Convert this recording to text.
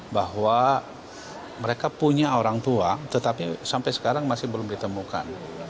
bahwa mereka punya orang tua tetapi sampai sekarang masih belum ditemukan